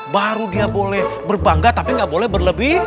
baru dia boleh berbangga tapi nggak boleh berlebih